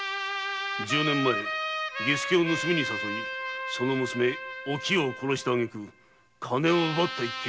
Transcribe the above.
十年前儀助を盗みに誘いその娘・おきよを殺した挙句金を奪った一件。